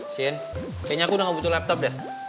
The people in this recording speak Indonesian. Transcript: sin kayaknya aku udah gak butuh laptop deh